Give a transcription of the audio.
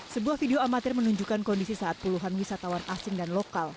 sebuah video amatir menunjukkan kondisi saat puluhan wisatawan asing dan lokal